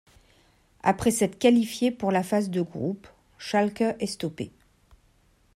Après s'être qualifié pour la phase de groupe, Schalke est stoppé.